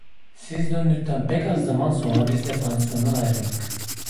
Siz döndükten pek az zaman sonra biz de pansiyondan ayrıldık.